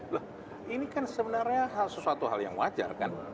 loh ini kan sebenarnya sesuatu hal yang wajar kan